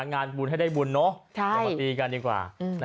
งานบุญให้ได้บุญเนอะอย่ามาตีกันดีกว่า